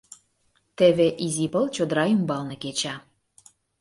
Теве изи пыл чодыра ӱмбалне кеча.